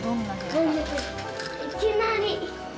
いきなり！